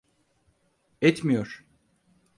Etmiyor.